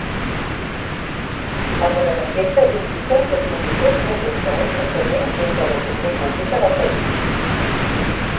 Algunes enquestes indiquen que fins i tot presenta un creixement entre l'opinió pública del país.